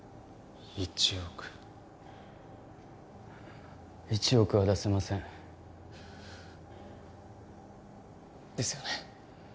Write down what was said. １億１億は出せませんですよね